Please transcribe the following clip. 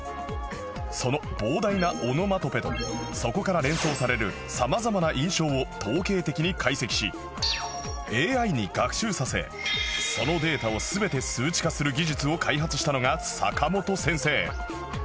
その膨大なオノマトペとそこから連想されるさまざまな印象を統計的に解析し ＡＩ に学習させそのデータを全て数値化する技術を開発したのが坂本先生